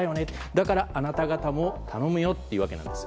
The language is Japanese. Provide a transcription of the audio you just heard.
だから、あなた方も頼むよっていうわけなんです。